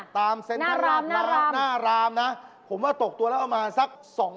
ตามเซ็นทรัพย์มาร์คหน้ารามนะผมว่าตกตัวแล้วประมาณสัก๒๕๐